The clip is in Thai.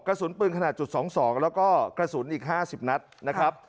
กระสุนปืนขนาดจุดสองสองแล้วก็กระสุนอีกห้าสิบนัดนะครับ